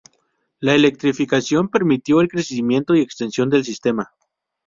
La electrificación permitió el crecimiento y extensión del sistema.